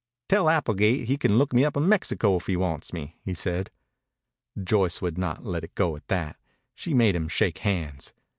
"Tell Applegate to look me up in Mexico if he wants me," he said. Joyce would not let it go at that. She made him shake hands.